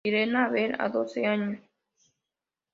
Irena Haber, a doce años.